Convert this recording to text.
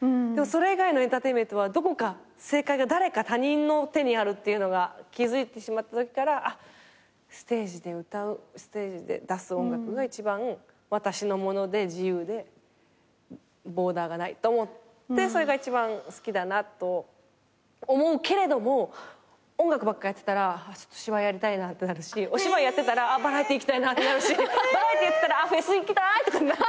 でもそれ以外のエンターテインメントは正解が誰か他人の手にあるっていうのが気付いたときからステージで歌うステージで出す音楽が一番私のもので自由でボーダーがないと思ってそれが一番好きだなと思うけれども音楽ばっかやってたら芝居やりたいなってなるしお芝居やってたらバラエティー行きたいってなるしバラエティーやってたらフェス行きたい！とかなって。